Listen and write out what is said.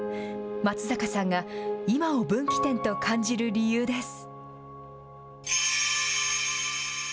松坂さんが今を分岐点と感じる理由です。